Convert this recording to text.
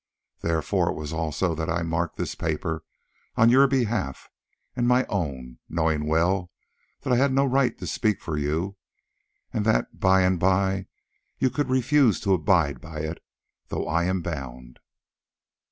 Therefore it was also that I marked this paper on your behalf and my own, knowing well that I had no right to speak for you, and that by and by you could refuse to abide by it, though I am bound."